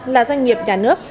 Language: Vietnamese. là doanh nghiệp nhà nước